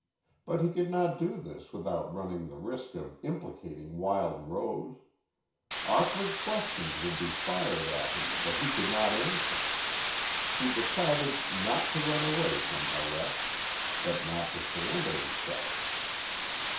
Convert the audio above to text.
But he could not do this without running the risk of implicating Wild Rose. Awkward questions would be fired at him that he could not answer. He decided not to run away from arrest, but not to surrender himself.